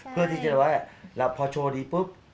เพื่อที่จะว่าพอโชว์ดีปุ๊บ